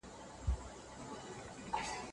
که نجونې مکتب ته لاړې شي نو راتلونکی به خراب نه وي.